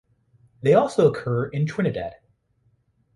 They also occur in Trinidad.